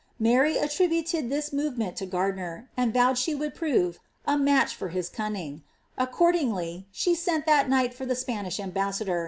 Mary attributed this movement to Gardiner, and vowed she would prove a ^ match for hifl cunning ;" accordingly, she sent that night for the Spanish ambassa^ ' Fox's Martyrology, book iii.